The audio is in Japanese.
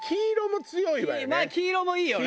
黄色もいいよね。